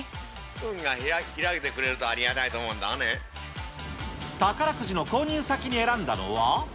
運が開いてくれるとありがた宝くじの購入先に選んだのは。